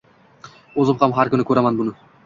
O’zim ham har kuni ko’raman buni.